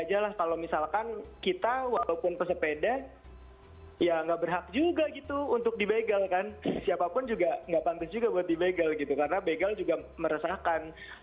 jadi kayak curhat aja lah kalau misalkan kita walaupun pesepeda ya nggak berhak juga gitu untuk di begal kan siapapun juga nggak pantas juga buat di begal gitu karena begal juga meresahkan